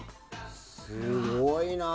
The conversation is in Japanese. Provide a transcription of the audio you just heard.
すごいな。